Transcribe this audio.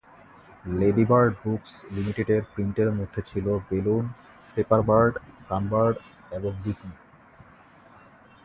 Ladybird Books লিমিটেডের প্রিন্টের মধ্যে ছিল বেলুন, পেপারবার্ড, সানবার্ড এবং ডিজনি।